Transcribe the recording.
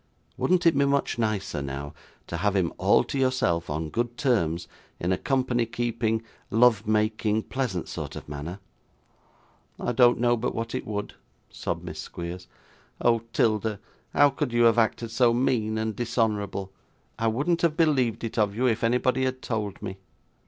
Wouldn't it be much nicer, now, to have him all to yourself on good terms, in a company keeping, love making, pleasant sort of manner?' 'I don't know but what it would,' sobbed Miss Squeers. 'Oh! 'Tilda, how could you have acted so mean and dishonourable! I wouldn't have believed it of you, if anybody had told me.